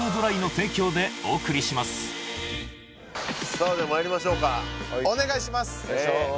さあではまいりましょうかお願いします